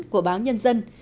của báo nhân dân